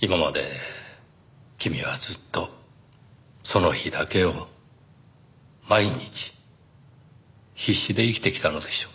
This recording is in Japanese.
今まで君はずっとその日だけを毎日必死で生きてきたのでしょうね。